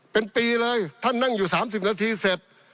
เป็นปีเลยท่านนั่งอยู่๓๐นาทีเสร็จ